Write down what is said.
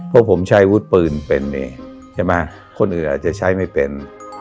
พวกผมใช้วุฒิปืนเป็นนี่ใช่ไหมคนอื่นอาจจะใช้ไม่เป็น